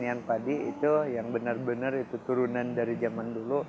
pertanian padi itu yang benar benar itu turunan dari zaman dulu